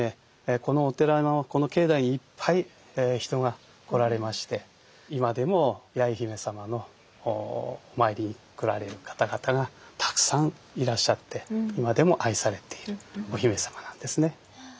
このお寺のこの境内いっぱい人が来られまして今でも八重姫様のお参りに来られる方々がたくさんいらっしゃって今でも愛されているお姫様なんですね。